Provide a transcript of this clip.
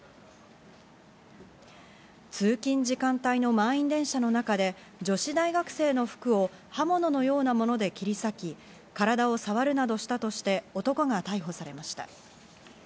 通勤時間帯の満員電車の中で女子大学生の服を刃物のようなもので切り裂き、体を触るなどしたとして男が逮捕されました。